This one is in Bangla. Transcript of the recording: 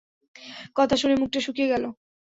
কথা শুনে, মুখটা শুকিয়ে গেলো।